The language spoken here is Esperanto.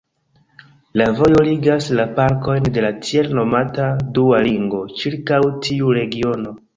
La vojo ligas la parkojn de la tiel nomata "dua ringo" ĉirkaŭ tiu regiono.